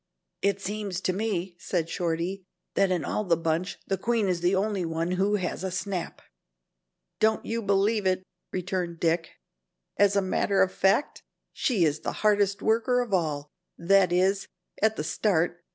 "It seems to me," said Shorty, "that in all the bunch the queen is the only one who has a snap." "Don't you believe it," returned Dick, "as a matter of fact, she is the hardest worker of all, that is, at the start.